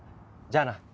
じゃあな。